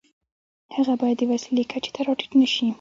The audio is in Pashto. هغه باید د وسیلې کچې ته را ټیټ نشي.